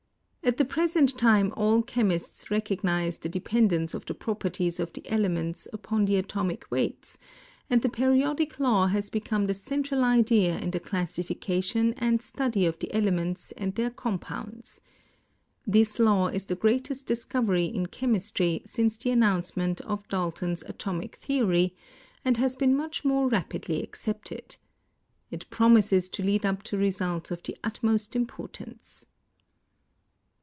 At the present time all chemists recognize the depen dence of the properties of the elements upon the atomic weights, and the periodic law has become the central idea in the classification and study of the elements and their compounds. This law is the greatest discovery in chem istry since the announcement of Dalton's atomic theory, and has been much more rapidly accepted. It promises to lead up to results of the utmost importance.